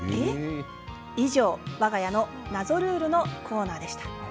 以上、我が家の謎ルールのコーナーでした。